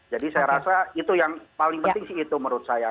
jadi saya rasa itu yang paling penting sih itu menurut saya